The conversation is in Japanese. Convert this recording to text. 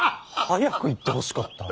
早く言ってほしかった。